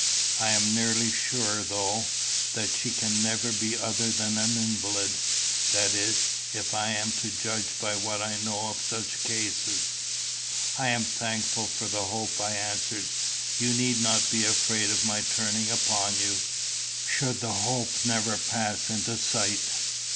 I am nearly sure, though, that she can never be other than an invalid; that is, if I am to judge by what I know of such cases." "I am thankful for the hope," I answered. "You need not be afraid of my turning upon you, should the hope never pass into sight.